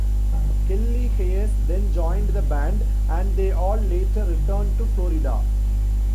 Kelly Hayes then joined the band, and they all later returned to Florida.